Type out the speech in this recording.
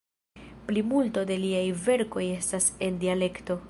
Plimulto de liaj verkoj estas en dialekto.